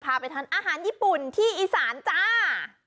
พาไปทานอาหารญี่ปุ่นที่อีสานจ้า